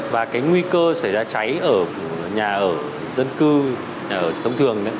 và cái nguy cơ xảy ra cháy ở nhà ở dân cư ở thông thường